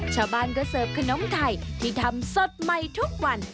ชาวบ้านก็เสิร์ฟขนมไทยที่ทำสดใหม่ทุกวัน